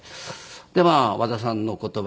でまあ和田さんの言葉